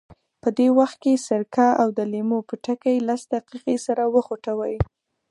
په دې وخت کې سرکه او د لیمو پوټکي لس دقیقې سره وخوټوئ.